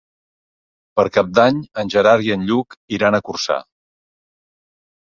Per Cap d'Any en Gerard i en Lluc iran a Corçà.